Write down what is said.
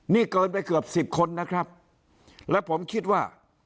นี่เกินไปเกือบสิบคนนะครับและผมคิดว่า